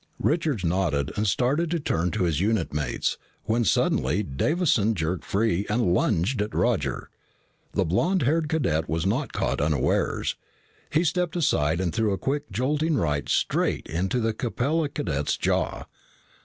Richards nodded and started to turn to his unit mates when suddenly Davison jerked free and lunged at Roger. The blond haired cadet was not caught unawares. He stepped aside and threw a quick jolting right straight to the Capella cadet's jaw.